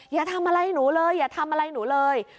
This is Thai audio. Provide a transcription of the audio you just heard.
อย่าทำอะไรหนูเลยอย่าทำอะไรหนูเลย